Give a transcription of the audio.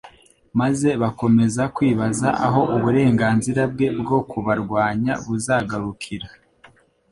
maze bakomeza kwibaza aho uburenganzira bwe bwo kubarwanya buzagarukira